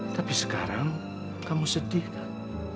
tapi sekarang kamu sedih kan